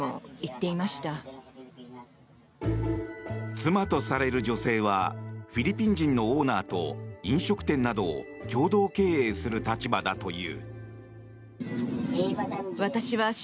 妻とされる女性はフィリピン人のオーナーと飲食店などを共同経営する立場だという。